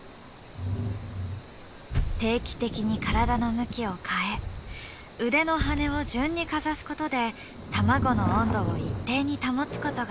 定期的に体の向きを変え腕の羽根を順にかざすことで卵の温度を一定に保つことができる。